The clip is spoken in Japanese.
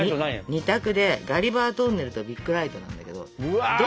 ２択で「ガリバートンネル」と「ビッグライト」なんだけど。